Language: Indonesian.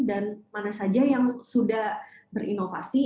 mana saja yang sudah berinovasi